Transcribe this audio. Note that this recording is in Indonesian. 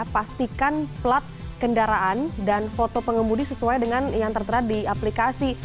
pastikan plat kendaraan dan foto pengemudi sesuai dengan yang tertera di aplikasi